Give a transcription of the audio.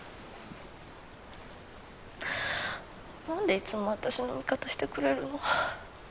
何でいつも私の味方してくれるの？